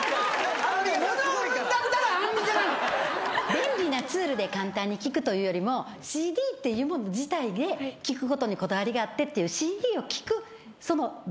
便利なツールで簡単に聴くというよりもＣＤっていうもの自体で聴くことにこだわりがあってっていうＣＤを聴くその母体のセット